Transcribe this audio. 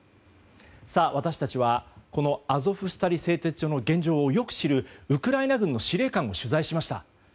さあ、私たちはこのアゾフスタリ製鉄所の現状をよく知るウクライナ軍の司令官を取材しました。